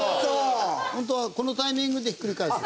本当はこのタイミングでひっくり返す。